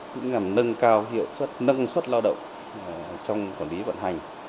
cũng là nâng cao hiệu suất nâng suất lao động trong quản lý vận hành